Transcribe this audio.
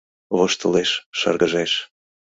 Воштылеш, шыргыжеш